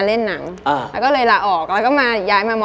อเรนนี่ที่เชียงใหม่